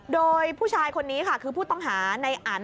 โดยผู้ชายคนนี้ค่ะคือผู้ต้องหาในอัน